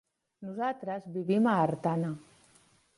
Nosaltres vivim a Artana.